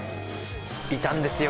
いたんですよ